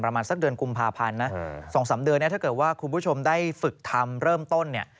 ประมาณสักเดือนกุมภาพันธ์นะ๒๓เดือนเนี่ยถ้าเกิดว่าคุณผู้ชมได้ฝึกทำเริ่มต้นเนี่ย